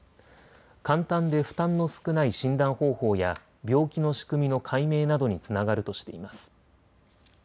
簡単で負担の少ない診断方法や病気の仕組みの解明などにつながるとしています。